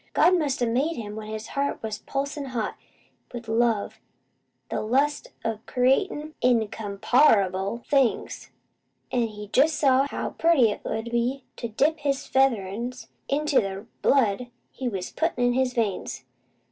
God must a made him when his heart was pulsin' hot with love an' the lust o' creatin' in com PAR able things; an' He jest saw how pretty it 'ud be to dip his featherin' into the blood He was puttin' in his veins.